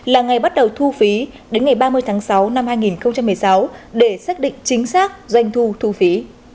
là ngày bắt đầu thu phí đến ngày ba mươi tháng sáu năm hai nghìn một mươi sáu để xác định chính xác doanh thu thu phí